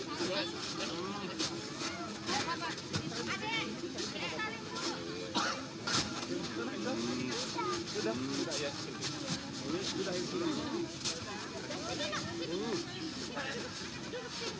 hai yang mau disini teman duduk di sini ada mbak